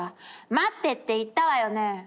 待ってって言ったわよね！